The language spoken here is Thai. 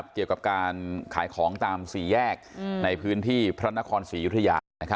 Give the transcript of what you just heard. เกี่ยวกับการขายของตามสี่แยกในพื้นที่พระนครศรียุธยา